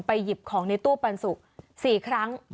หยิบของในตู้ปันสุก๔ครั้ง